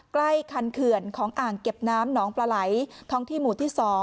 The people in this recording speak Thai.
ใกล้คันเขื่อนของอ่างเก็บน้ำหนองปลาไหลท้องที่หมู่ที่๒